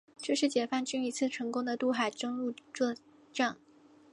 这是解放军一次成功的渡海登陆作战。